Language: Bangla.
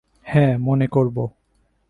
হ্যাঁ, মনে করব।